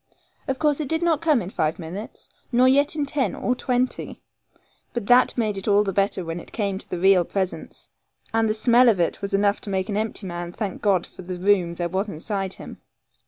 Of course it did not come in five minutes, nor yet in ten or twenty; but that made it all the better when it came to the real presence; and the smell of it was enough to make an empty man thank God for the room there was inside him.